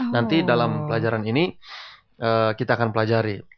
nanti dalam pelajaran ini kita akan pelajari